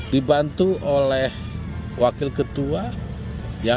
dibantu oleh wakil ketua